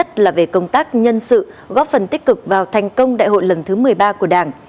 thành công đại hội lần thứ một mươi ba của đảng